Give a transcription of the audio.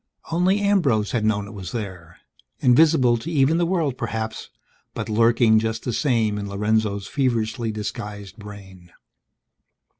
Only Ambrose had known it was there. Invisible to even the world, perhaps; but lurking just the same in Lorenzo's feverishly disguised brain.